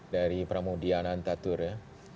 dari pramodiana antatur ya